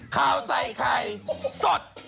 ข่าวใส่ไข่สด